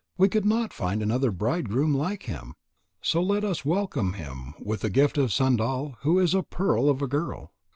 We could not find another bridegroom like him. So let us welcome him with the gift of Sandal who is a pearl of a girl.'